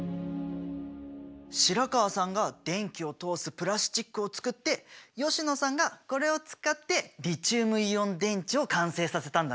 白川さんが電気を通すプラスチックを作って吉野さんがこれを使ってリチウムイオン電池を完成させたんだね。